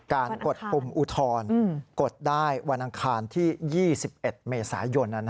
กดปุ่มอุทธรณ์กดได้วันอังคารที่๒๑เมษายน